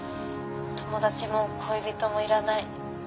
「友達も恋人もいらない」